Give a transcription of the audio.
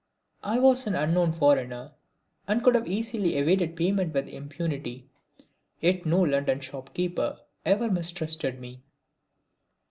I was an unknown foreigner, and could have easily evaded payment with impunity, yet no London shopkeeper ever mistrusted me.